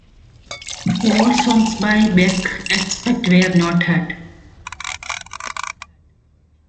All songs by Beck, except where noted.